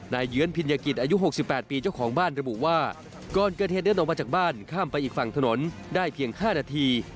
เยื้อนพิญญกิจอายุ๖๘ปีเจ้าของบ้านระบุว่าก่อนเกิดเหตุเดินออกมาจากบ้านข้ามไปอีกฝั่งถนนได้เพียง๕นาที